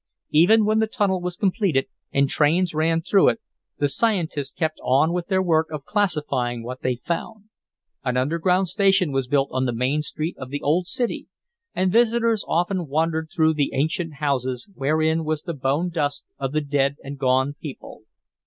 Even when the tunnel was completed and trains ran through it, the scientists kept on with their work of classifying what they found. An underground station was built on the main street of the old city, and visitors often wandered through the ancient houses, wherein was the bone dust of the dead and gone people.